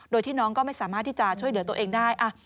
โดยที่น้องก็ไม่สามารถที่จะช่วยเหลือตัวเองได้